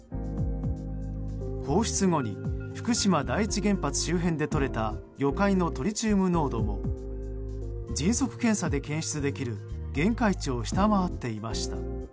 放出後に福島第一原発周辺でとれた魚介のトリチウム濃度も迅速検査で検出できる限界値を下回っていました。